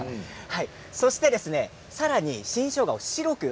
そしてさらに新しょうがをさらに。